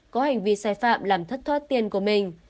có hành vi sai phạm làm thất thoát tiền của mình